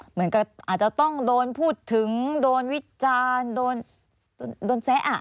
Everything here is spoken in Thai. เหมือนกับอาจจะต้องโดนพูดถึงโดนวิจารณ์โดนแซะ